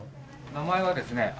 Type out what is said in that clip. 名前はですね